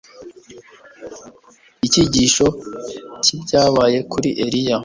Icyigisho cyibyabaye kuri Eliya